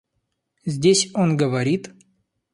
Здесь он говорит...